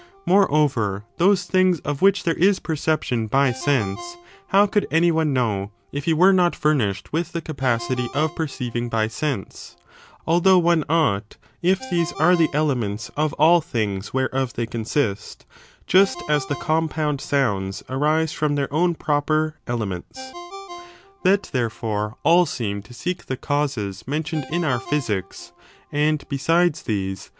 Moreover, those things of which there is perception by sense, how could any one know if he were not fumi^ed with the capacity of perceiving by sense 1 although one ought, if these are tiiie elements of all things whereof they consist, just as the compound sounds arise from their own proper elements. That, therefore, all seem^ to seek the causes s. Aristotle's ca. mentioned in our Physics, and, besides these, J^^°7defend?